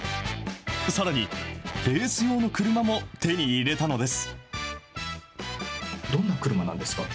さらに、レース用の車も手に入れたのです。